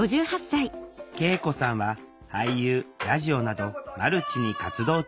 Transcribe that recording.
圭永子さんは俳優ラジオなどマルチに活動中。